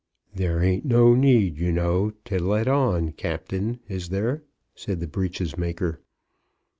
"There ain't no need, you know, to let on, Captain; is there?" said the breeches maker.